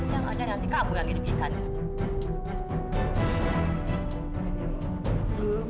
yang ada nanti kamu yang dirugikannya